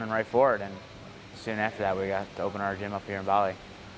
dan segera setelah itu kami membangun gym kami di bali